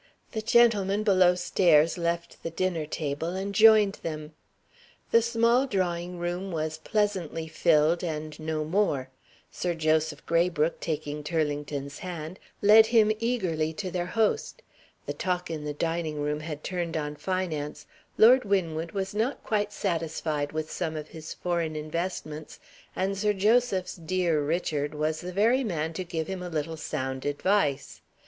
The gentlemen below stairs left the dinner table, and joined them. The small drawing room was pleasantly filled, and no more. Sir Joseph Graybrooke, taking Turlington's hand, led him eagerly to their host. The talk in the dining room had turned on finance. Lord Winwood was not quite satisfied with some of his foreign investments; and Sir Joseph's "dear Richard" was the very man to give him a little sound advice.